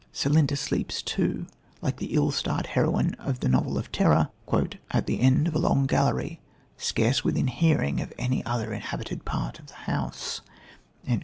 Celinda sleeps, too, like the ill starred heroine of the novel of terror, "at the end of a long gallery, scarce within hearing of any other inhabited part of the house."